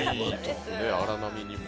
荒波にも。